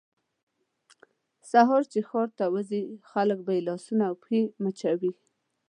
سهار چې ښار ته وځي خلک به یې لاسونه او پښې مچوي.